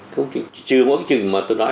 chứ mỗi cái trình mà tôi nói